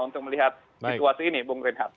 untuk melihat situasi ini bung reinhardt